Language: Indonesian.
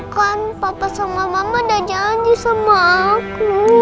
kan papa sama mama udah janji sama aku